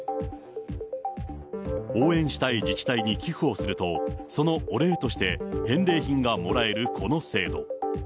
応援したい自治体に寄付をすると、そのお礼として返礼品がもらえるこの制度。